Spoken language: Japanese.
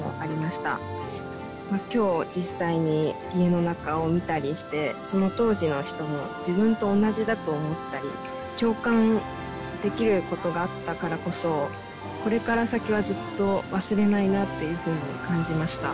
今日実際に家の中を見たりしてその当時の人も自分と同じだと思ったり共感できることがあったからこそこれから先はずっと忘れないなというふうに感じました。